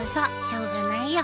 しょうがないよ。